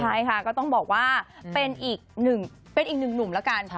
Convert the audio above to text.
ใช่ค่ะก็ต้องบอกว่าเป็นอีกหนึ่งหนุ่มแล้วกัน